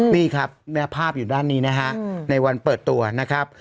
นี่ครับภาพอยู่ด้านนี้นะฮะในวันเปิดตัวนะครับ